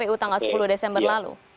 kpu tanggal sepuluh desember lalu